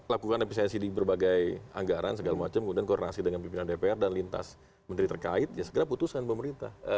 lakukan efisiensi di berbagai anggaran segala macam kemudian koordinasi dengan pimpinan dpr dan lintas menteri terkait ya segera putuskan pemerintah